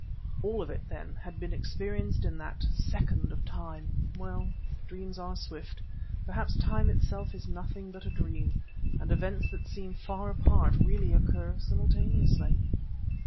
All of it, then, had been experienced in that second of time. Well, dreams are swift; perhaps Time itself is nothing but a dream, and events that seem far apart really occur simultaneously.